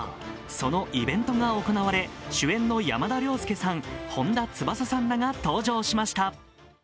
そのイベントが行われ主演の山田涼介さん、本田翼さんらが登場しました。